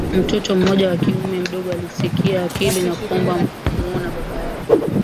mtoto mmoja wa kiume mdogo alisikika akilia na kuomba kumuona baba yake